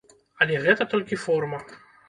Але гэта толькі форма.